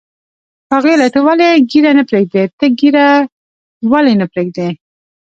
ښاغلیه، ته ولې ږیره نه پرېږدې؟ ته ږیره ولې نه پرېږدی؟